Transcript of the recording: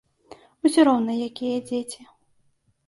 Усё роўна якія дзеці.